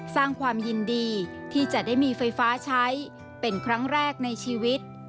สร้างความยินดีที่จะได้มีไฟฟ้าใช้เป็นครั้งแรกในชีวิต